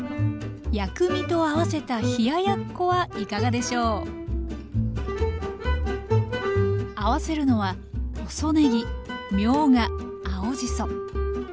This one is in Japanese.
薬味と合わせた冷ややっこはいかがでしょう合わせるのは細ねぎみょうが青じそ。